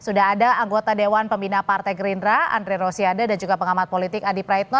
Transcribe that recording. sudah ada anggota dewan pembina partai gerindra andre rosiade dan juga pengamat politik adi praitno